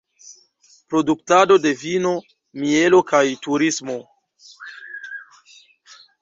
Produktado de vino, mielo kaj turismo.